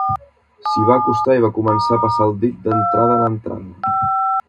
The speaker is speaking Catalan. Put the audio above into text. S'hi va acostar i va començar a passar el dit d'entrada en entrada.